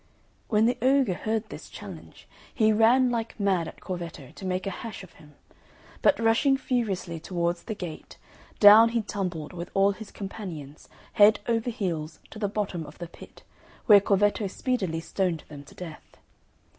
When the ogre heard this challenge, he ran like mad at Corvetto, to make a hash of him. But rushing furiously towards the gate, down he tumbled with all his companions, head over heels to the bottom of the pit, where Corvetto speedily stoned them to death.